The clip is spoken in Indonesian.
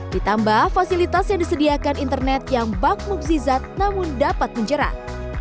ditambah fasilitas yang disediakan internet yang bakmuk zizat namun dapat menjerat